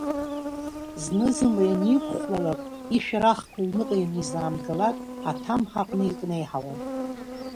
Зны-зынла ианиқәхәлалак, ишәарахқәа аҩныҟа ианизаамгалак, аҭамҳа аҟны икнеиҳауан.